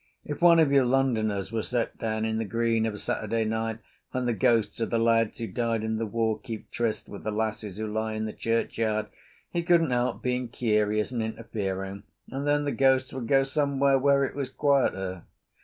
If one of your Londoners were set down on the green of a Saturday night when the ghosts of the lads who died in the war keep tryst with the lasses who lie in the church yard, he couldn't help being curious and interfering, and then the ghosts would go somewhere where it was quieter.